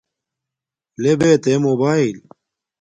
لے بے تے موباݵل